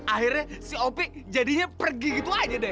akhirnya si op jadinya pergi gitu aja deh